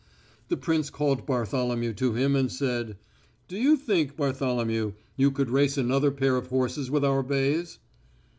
The prince called Bartholomew to him and said: "Do you think, Bartholomew, you could race another pair of horses with our bays?"